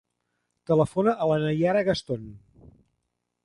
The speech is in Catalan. Telefona a la Naiara Gaston.